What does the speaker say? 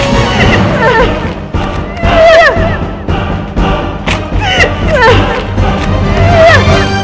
masa aku pun jadi mantis